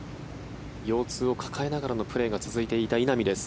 腰痛を抱えながらのプレーが続いていた稲見です。